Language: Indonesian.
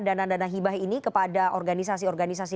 dana dana hibah ini kepada organisasi organisasi